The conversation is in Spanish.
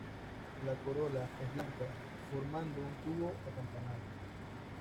La corola es blanca, formando un tubo acampanado.